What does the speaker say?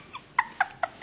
ハハハハ。